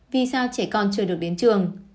vì sao trẻ con chưa được đến trường